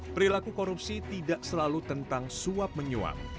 perilaku korupsi tidak selalu tentang suap menyuap